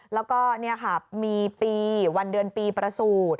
แล้วก็มีปีวันเดือนปีประสูร